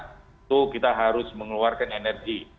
itu kita harus mengeluarkan energi